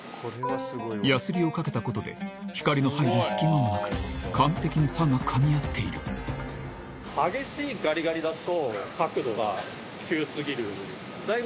ヤスリをかけたことで光の入る隙間がなく完璧に刃がかみ合っているもうちょい？